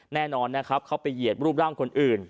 แน่นอนนะครับเขาไปเหยียดรูปร่างคนอื่น